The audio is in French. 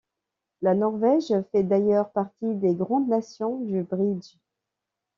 La Norvège fait d'ailleurs partie des grandes nations du bridge.